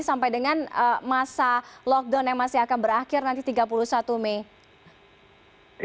sampai dengan masa lockdown yang masih akan berakhir nanti tiga puluh satu mei